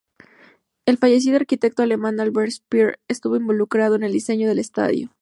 El fallecido arquitecto alemán Albert Speer estuvo involucrado en el diseño del estadio.